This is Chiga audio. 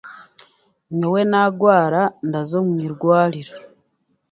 Nyowe naagwara ndaza omu irwariro